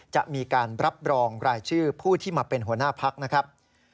จะมีการรับรองรายชื่อผู้ที่มาเป็นหัวหน้าพักนะครับ